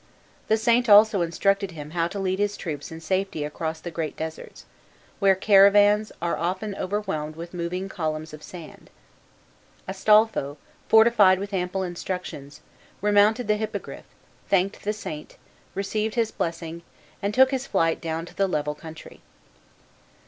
The saint also instructed him how to lead his troops in safety across the great deserts, where caravans are often overwhelmed with moving columns of sand. Astolpho, fortified with ample instructions, remounted the Hippogriff, thanked the saint, received his blessing, and took his flight down to the level country.